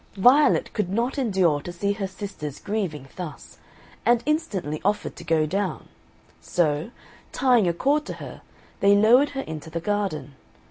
Violet could not endure to see her sisters grieving thus, and instantly offered to go down; so, tying a cord to her, they lowered her into the garden.